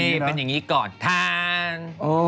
เดี๋ยวสิเป็นอย่างนี้ก่อนทาน